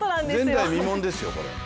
前代未聞ですよ、これ。